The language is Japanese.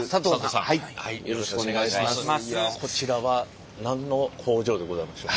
こちらは何の工場でございましょう？